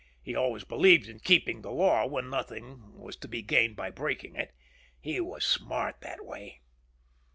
He always believed in keeping the law when nothing was to be gained in breaking it. He was smart that way.